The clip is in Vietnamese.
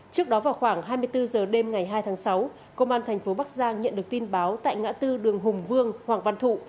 trước đó vào khoảng hai mươi bốn h đêm ngày hai tháng sáu công an thành phố bắc giang nhận được tin báo tại ngã tư đường hùng vương hoàng văn thụ